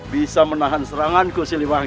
bisa menahan seranganku siliwangi